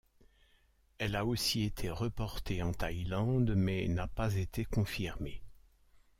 Elle a aussi été reportée en Thaïlande mais n'a pas été confirmée.